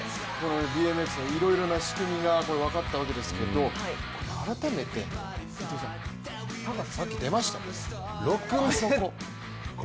ＢＭＸのいろいろな仕組みが分かったわけですけど、改めて、高ささっき出ましたね、あそこ。